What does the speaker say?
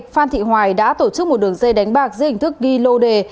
phan thị hoài đã tổ chức một đường dây đánh bạc dưới hình thức ghi lô đề